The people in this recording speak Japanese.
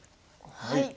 はい。